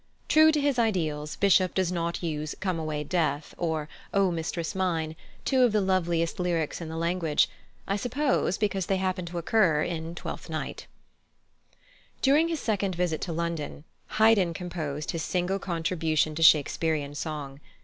True to his ideals, Bishop does not use "Come away, Death," or "O mistress mine," two of the loveliest lyrics in the language I suppose because they happen to occur in Twelfth Night! During his second visit to London, +Haydn+ composed his single contribution to Shakespearian song.